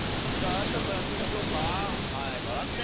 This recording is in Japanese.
有田君やってみましょうかはい笑って。